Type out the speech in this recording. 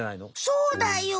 そうだよ！